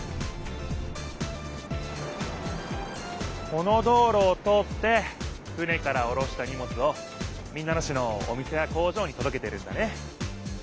この道ろを通って船からおろしたにもつを民奈野市のお店や工場にとどけてるんだね。